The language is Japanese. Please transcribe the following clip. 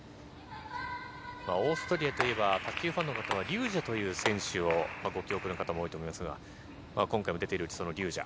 オーストリアといえば卓球ファンの方はリュー・ジャという選手をご記憶の方も多いと思いますが今回も出ているリュー・ジャ。